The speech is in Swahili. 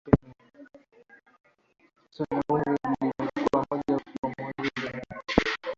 Suala la umri limekuwa moja ya hoja za kampeni